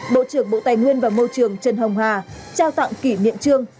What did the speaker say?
bộ trưởng bộ tài nguyên và môi trường trần hồng hà trao tặng kỷ niệm trương